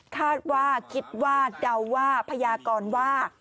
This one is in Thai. คาดว่าคิดว่าเดาว่าพญากรว่า